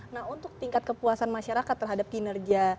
nah untuk tingkat kepuasan masyarakat terhadap kinerja